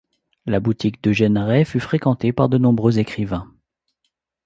La boutique d'Eugène Rey fut fréquentée par de nombreux écrivains.